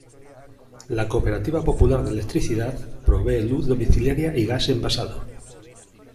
La Cooperativa Popular de Electricidad, provee luz domiciliaria y gas envasado.